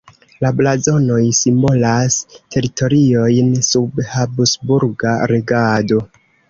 La blazonoj simbolas teritoriojn sub habsburga regado.